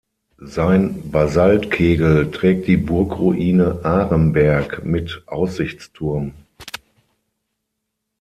Sein Basaltkegel trägt die Burgruine Aremberg mit Aussichtsturm.